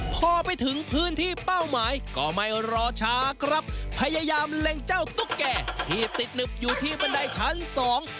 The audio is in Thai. พอไปถึงพื้นที่เป้าหมายก็ไม่รอช้าครับพยายามเล็งเจ้าตุ๊กแก่ที่ติดหนึบอยู่ที่บันไดชั้นสอง